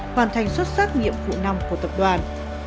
hoàn thành xuất sắc nhiệm vụ năm của tập đoàn